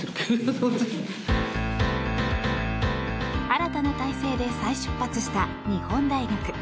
新たな体制で再出発した日本大学。